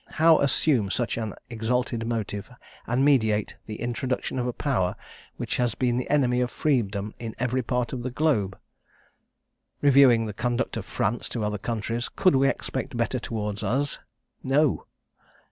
How assume such an exalted motive, and meditate the introduction of a power which has been the enemy of freedom in every part of the globe? Reviewing the conduct of France to other countries, could we expect better towards us? No!